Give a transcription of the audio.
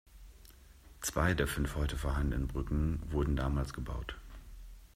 Zwei der fünf heute vorhandenen Brücken wurden damals gebaut.